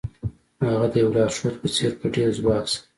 هغه د یو لارښود په څیر په ډیر ځواک سره